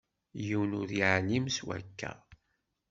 Yiwen ur yeεlim s wakka.